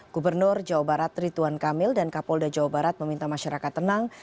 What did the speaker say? gubernur jawa barat rituan kamil dan kapolda jawa barat meminta masyarakat tenang